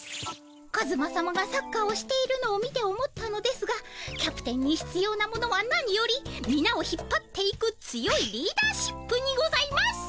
カズマさまがサッカーをしているのを見て思ったのですがキャプテンにひつようなものはなによりみなを引っぱっていく強いリーダーシップにございます。